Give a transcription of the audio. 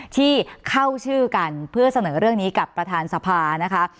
ที่เข้าชื่อกันเพื่อเสนอเรื่องนี้กับประธานสภานะคะ